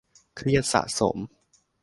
เครียดสะสม